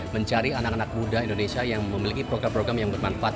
mencari anak anak muda indonesia yang memiliki program program yang bermanfaat